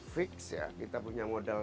fix ya kita punya modal